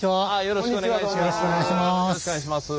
よろしくお願いします。